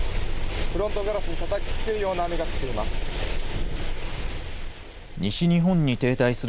フロントガラスにたたきつけるような雨が降っています。